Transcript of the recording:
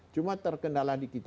cuma terkendala di kota